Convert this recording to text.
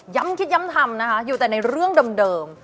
คิดย้ำทำนะคะอยู่แต่ในเรื่องเดิม